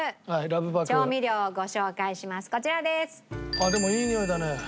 ああでもいいにおいだね。